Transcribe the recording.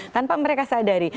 tanpa mereka sadari